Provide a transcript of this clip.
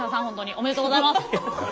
おめでとうございます。